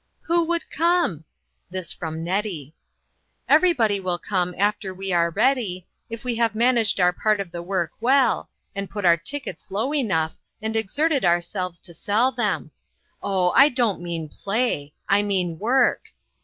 "Who would come?" This from Nettie. " Everybody will come after we are ready, if we have managed our part of the work well, and put our tickets low enough, and exerted ourselves to sell them. Oh, I don't mean play ! I mean work